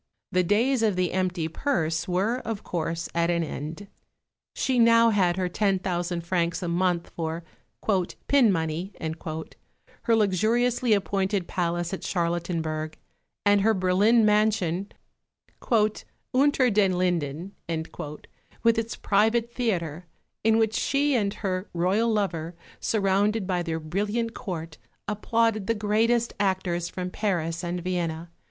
The days of the empty purse were, of course, at an end. She had now her ten thousand francs a month for "pin money," her luxuriously appointed palace at Charlottenburg, and her Berlin mansion, "Unter den Linden," with its private theatre, in which she and her Royal lover, surrounded by their brilliant Court, applauded the greatest actors from Paris and Vienna.